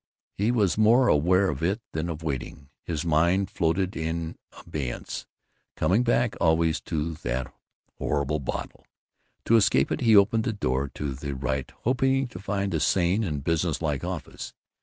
He was more aware of it than of waiting. His mind floated in abeyance, coming back always to that horrible bottle. To escape it he opened the door to the right, hoping to find a sane and business like office.